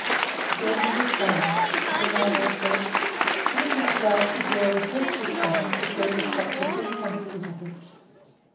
Again there was silence. Then Ole said: "We did not go up to Glory Peak this summer, to see the spot the king once visited."